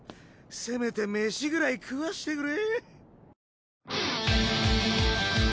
せめて飯ぐらい食わしてくれ。